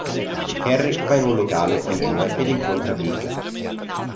Carrie va in un locale con Joe ed incontra Big.